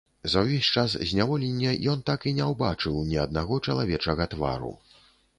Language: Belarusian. За ўвесь час зняволення ён так і не ўбачыў ні аднаго чалавечага твару.